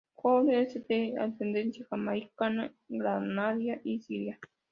Jourdan es de ascendencia jamaicana, granadina y siria.